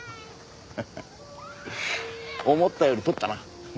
ハハハ思ったより取ったな。